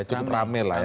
cukup rame lah ya